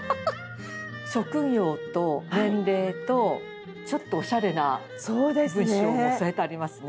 職業と年齢とちょっとおしゃれな文章も添えてありますね。